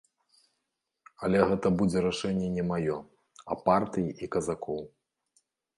Але гэта будзе рашэнне не маё, а партыі і казакоў.